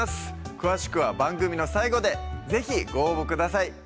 詳しくは番組の最後で是非ご応募ください